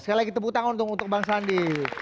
sekali lagi tepuk tangan untuk bang sandi